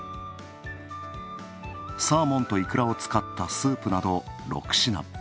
サーモンといくらを使ったスープなど６品。